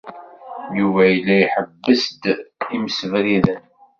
Yuba yella iḥebbes-d imsebriden.